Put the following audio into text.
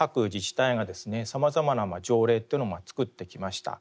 さまざまな条例というのを作ってきました。